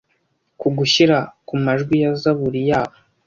kugushyira kumajwi ya zaburi yabo